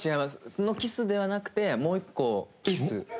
そのキスではなくてもう一個キス。